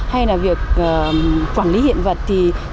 hay là việc quản lý hiện vật thì rất là tốt